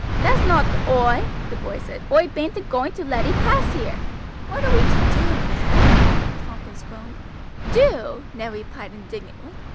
"That's nowt to oi," the boy said. "Oi bain't a going to let ee pass here." "What are we to do, Ned?" Tompkins groaned. "Do!" Ned replied indignantly.